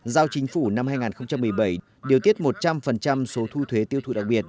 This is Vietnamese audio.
giao chính phủ năm hai nghìn một mươi bảy điều tiết một trăm linh số thu thuế tiêu thụ đặc biệt